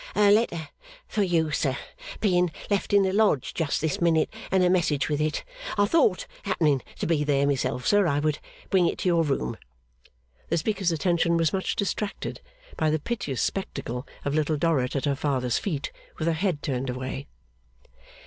'A letter for you, sir, being left in the Lodge just this minute, and a message with it, I thought, happening to be there myself, sir, I would bring it to your room.' The speaker's attention was much distracted by the piteous spectacle of Little Dorrit at her father's feet, with her head turned away.